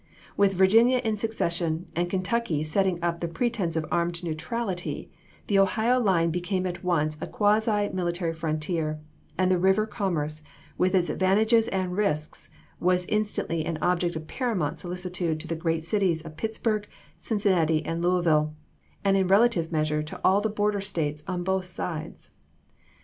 With Virginia in seces sion, and Kentucky setting up the pretense of armed neutrality, the Ohio line became at once a quasi military frontier, and the river commerce, with its advantages and risks, was instantly an object of paramount solicitude to the great cities of Pittsburgh, Cincinnati, and Louisville, and in relative measure to all the border States on both sides.